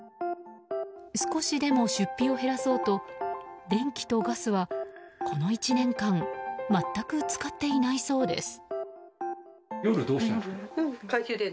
少しでも出費を減らそうと電気とガスは、この１年間全く使っていないそうです。